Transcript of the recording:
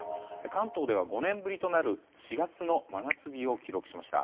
関東では５年ぶりとなる４月の真夏日を記録しました。